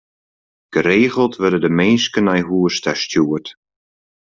Geregeld wurde der minsken nei hûs ta stjoerd.